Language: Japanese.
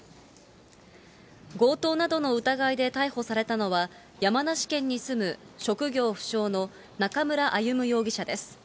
強盗などの疑いで逮捕されたのは、山梨県に住む職業不詳の中村歩武容疑者です。